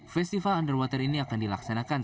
festival underwater ini akan dilaksanakan